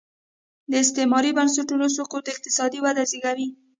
د استعماري بنسټونو سقوط اقتصادي وده وزېږوي.